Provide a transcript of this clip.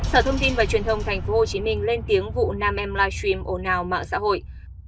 sở thông tin và truyền thông tp hcm lên tiếng vụ nam em livestream ồn ào mạng xã hội